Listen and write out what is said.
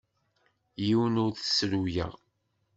Yiwen ur t-ssruyeɣ.